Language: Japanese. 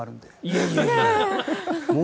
いやいや。